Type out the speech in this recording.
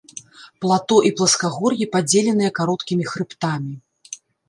Плато і пласкагор'і, падзеленыя кароткімі хрыбтамі.